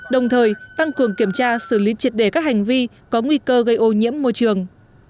đồng thời tăng cường kiểm tra xử lý triệt đề các hành vi có nguy cơ gây ô nhiễm môi trường